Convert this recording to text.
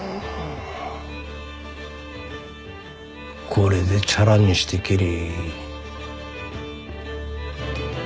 これでチャラにしてけれ。